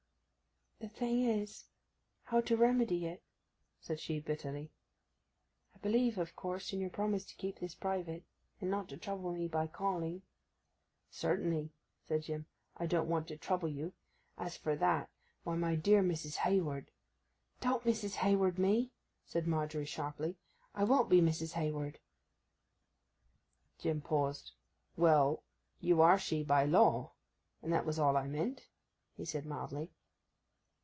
'The thing is, how to remedy it,' said she bitterly. 'I believe, of course, in your promise to keep this private, and not to trouble me by calling.' 'Certainly,' said Jim. 'I don't want to trouble you. As for that, why, my dear Mrs. Hayward—' 'Don't Mrs. Hayward me!' said Margery sharply. 'I won't be Mrs. Hayward!' Jim paused. 'Well, you are she by law, and that was all I meant,' he said mildly.